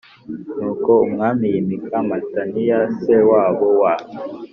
Nuko umwami yimika mataniya se wabo wa